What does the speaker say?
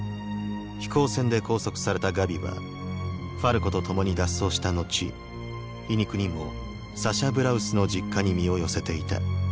飛行船で拘束されたガビはファルコとともに脱走したのち皮肉にもサシャ・ブラウスの実家に身を寄せていた。